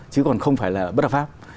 chứ còn không phải là bất hợp pháp